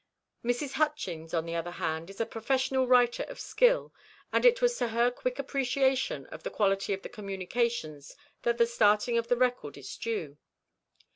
Mrs. Hutchings, on the other hand, is a professional writer of skill, and it was to her quick appreciation of the quality of the communications that the starting of the record is due.